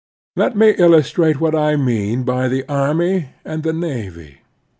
Let me illustrate what I mean by the army and the navy.